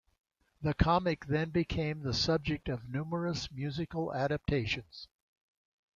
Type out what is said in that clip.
This comic then became the subject of numerous musical adaptations.